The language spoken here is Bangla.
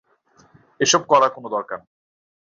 এইসব করার কোন দরকার নেই।